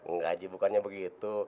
nggak ji bukannya begitu